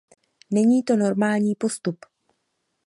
Není to normální postup.